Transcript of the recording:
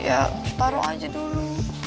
ya taruh aja dulu